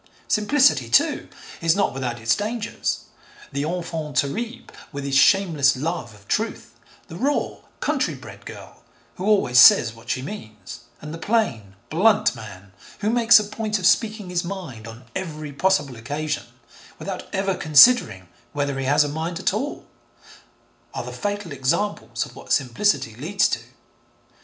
Simplicity, too, is not without its dangers. The enfant terrible, with his shameless love of truth, the raw country bred girl who always says what she means, and the plain, blunt man who makes a point of speaking his mind on every possible occasion, without ever considering whether he has a mind at all, are the fatal examples of what simplicity leads to.